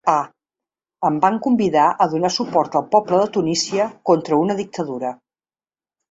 A: Em van convidar a donar suport al poble de Tunísia contra una dictadura.